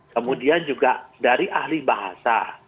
kemudian juga dari ahli bahasa